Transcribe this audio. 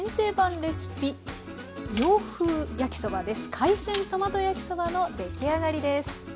海鮮トマト焼きそばの出来上がりです。